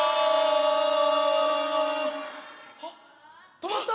止まった！